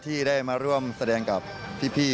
ที่ได้มาร่วมแสดงกับพี่